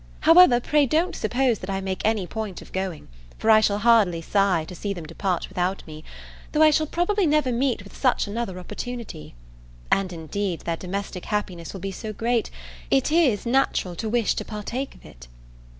However, pray don't suppose that I make any point of going, for I shall hardly sigh, to see them depart without me, though I shall probably never meet with such another opportunity. And, indeed, their domestic happiness will be so great, it is natural to wish to partake of it.